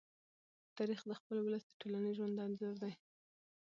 تاریخ د خپل ولس د ټولنیز ژوند انځور دی.